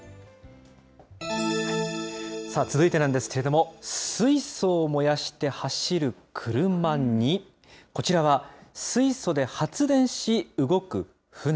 続いてなんですけれども、水素を燃やして走る車に、こちらは水素で発電し動く船。